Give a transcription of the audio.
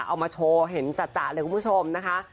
เอามาโชว์เห็นจัดเลยคุณผู้ชมนะคะ